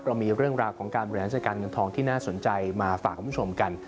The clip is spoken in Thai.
เรามีเรื่องราวของการบริหารจัดการเงินทองที่น่าสนใจมาฝากคุณผู้ชมกัน